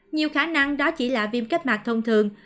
nhiều khả năng đó chỉ là viêm kết mạc thông thường